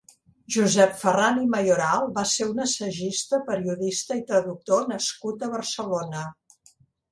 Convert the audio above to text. Josep Farran i Mayoral va ser un assagista, periodista i traductor nascut a Barcelona.